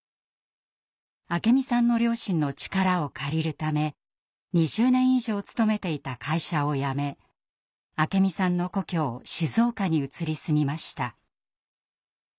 明美さんの両親の力を借りるため２０年以上勤めていた会社を辞め明美さんの故郷静岡に移り住みました。